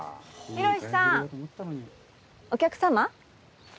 ・洋さん・お客様？